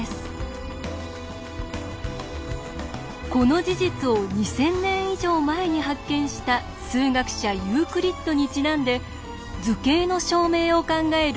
この事実を２，０００年以上前に発見した数学者ユークリッドにちなんで図形の証明を考える